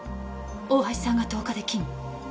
大橋さんが１０日で金。